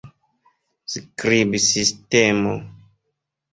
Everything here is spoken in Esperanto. skribsistemo